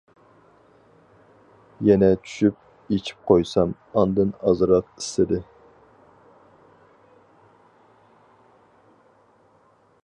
يەنە چۈشۈپ ئېچىپ قويسام. ئاندىن ئازراق ئىسسىدى.